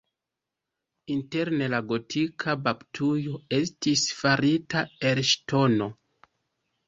Interne la gotika baptujo estis farita el ŝtono.